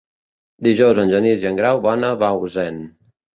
Dijous en Genís i en Grau van a Bausen.